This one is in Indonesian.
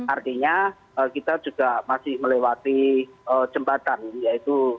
artinya kita juga masih melewati jembatan yaitu